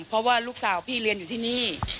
เพราะว่าลูกสาวพี่เรียนอยู่ที่นี่